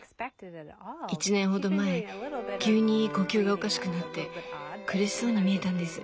１年ほど前急に呼吸がおかしくなって苦しそうに見えたんです。